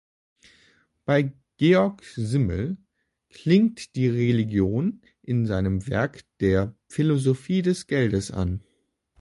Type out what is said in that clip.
Bei Georg Simmel klingt die Religion in seinem Werk der „Philosophie des Geldes“ an.